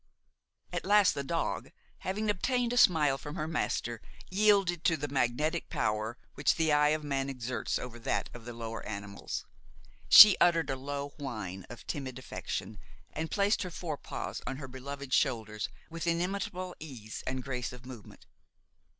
At last the dog, having obtained a smile from her master, yielded to the magnetic power which the eye of man exerts over that of the lower animals. She uttered a low whine of timid affection and placed her fore paws on her beloved's shoulders with inimitable ease and grace of movement.